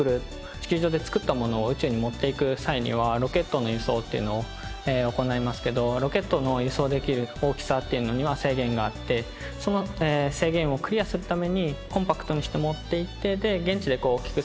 地球上で作ったものを宇宙に持っていく際にはロケットの輸送というのを行いますけどロケットの輸送できる大きさというのには制限があってその制限をクリアするためにコンパクトにして持っていってで現地で大きくする。